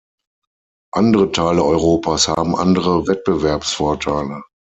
Andere Teile Europas haben andere Wettbewerbsvorteile.